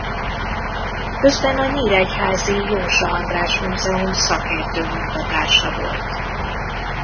Közben a nyíregyházi Jósa András Múzeum szakértő munkatársa volt.